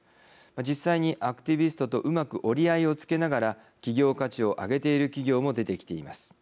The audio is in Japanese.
実際に、アクティビストとうまく折り合いをつけながら企業価値を上げている企業も出てきています。